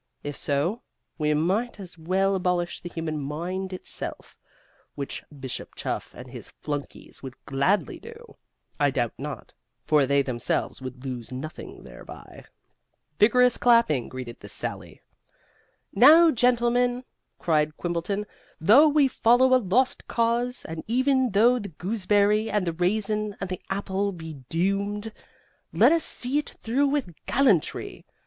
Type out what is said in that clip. If so, we might as well abolish the human mind itself. Which Bishop Chuff and his flunkeys would gladly do, I doubt not, for they themselves would lose nothing thereby." Vigorous clapping greeted this sally. "Now, gentlemen," cried Quimbleton, "though we follow a lost cause, and even though the gooseberry and the raisin and the apple be doomed, let us see it through with gallantry!